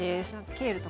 ケールとか。